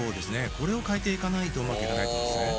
これを変えていかないとうまくいかないと思うんですね